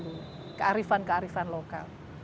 jadi kearifan kearifan lokal